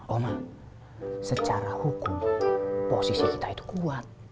orang secara hukum posisi kita itu kuat